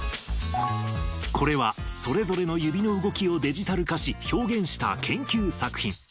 これは、それぞれの指の動きをデジタル化し、表現した研究作品。